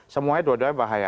semuanya dua duanya bahaya